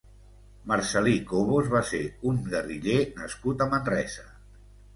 Marcel·lí Cobos va ser un guerriller nascut a Manresa.